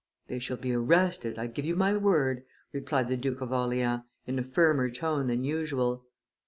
"They shall be arrested, I give you my word," replied the Duke of Orleans, in a firmer tone than usual.